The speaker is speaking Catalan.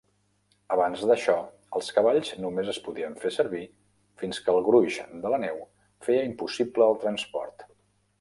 Abans d'això, els cavalls només es podien fer servir fins que el gruix de la neu feia impossible el transport.